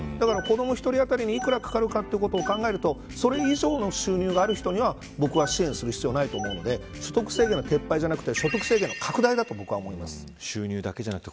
だから、子ども１人当たりに幾らかかるかを考えるとそれ以上の収入がある人には支援する必要はないと思うので所得制限の撤廃じゃなくて所得制限の拡大だと思います。